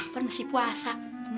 pernah masih puasa